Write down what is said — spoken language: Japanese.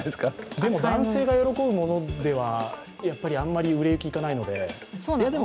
でも男性が喜ぶものではあんまり売れ行きいかないので。